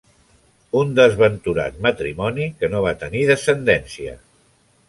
Un desventurat matrimoni que no va tenir descendència.